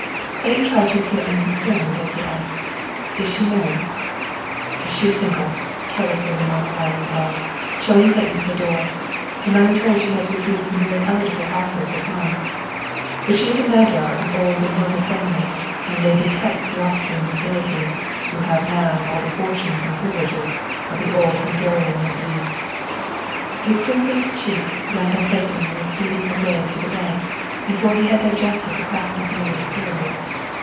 Clayton tried to appear unconcerned as he asked, "Is she married?" "She is single," carelessly remarked Lilienthal, showing Clayton to the door. "And I am told she has refused some very eligible offers at home. But she is a Magyar of an old and noble family and they detest the Austrian nobility, who have now all the fortunes and privileges of the old Hungarian noblesse." With crimsoned cheeks Randall Clayton was speeding away to the bank before he had digested the crafty dealer's story.